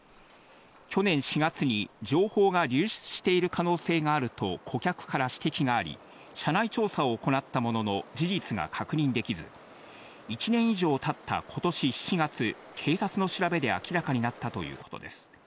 去年４月に、情報が流出している可能性があると、顧客から指摘があり、社内調査を行ったものの、事実が確認できず、１年以上たったことし７月、警察の調べで明らかになったということです。